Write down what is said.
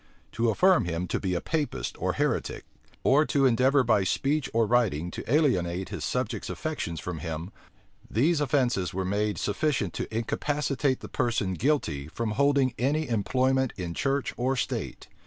To affirm him to be a Papist or heretic, or to endeavor by speech or writing to alienate his subjects' affections from him; these offences were made sufficient to incapacitate the person guilty from holding any employment in church or state.